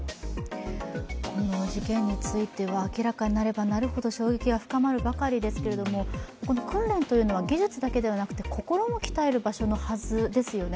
この事件については明らかになればなるほど衝撃が深まるばかりですけれども、訓練というのは技術だけではなくて心も鍛える場所なはずですよね。